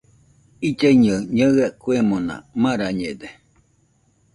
Illaɨnɨaɨ ñaɨa kuemona marañede.